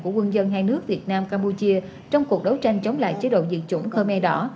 của quân dân hai nước việt nam campuchia trong cuộc đấu tranh chống lại chế độ diệt chủng khmer đỏ